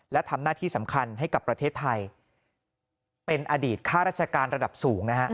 และทำหน้าที่สำคัญให้กับประเทศไทยเป็นอดีตข้าราชการระดับสูงนะฮะ